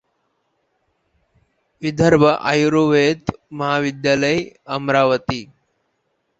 Vidarbha Ayurved Mahavidyalaya, Amravati.